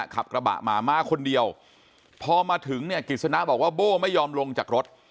ขับกระบะมามาคนเดียวพอมาถึงเนี่ยกิจสนะบอกว่าโบ้ไม่ยอมลงจากรถ